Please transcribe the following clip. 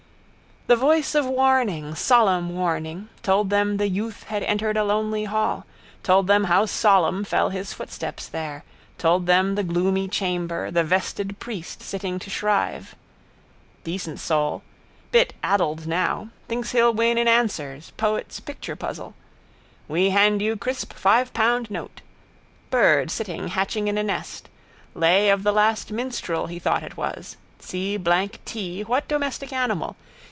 The voice of warning, solemn warning, told them the youth had entered a lonely hall, told them how solemn fell his footsteps there, told them the gloomy chamber, the vested priest sitting to shrive. Decent soul. Bit addled now. Thinks he'll win in Answers, poets' picture puzzle. We hand you crisp five pound note. Bird sitting hatching in a nest. Lay of the last minstrel he thought it was. See blank tee what domestic animal?